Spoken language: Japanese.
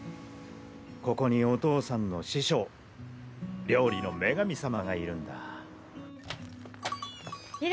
ここにお父さんの師匠料理の女神様・ガチャん？